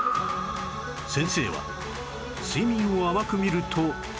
先生は睡眠を甘く見ると